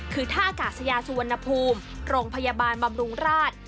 คือท่าอากาศยาสุวรรณภูมิโรงพยาบาลบำรุงราช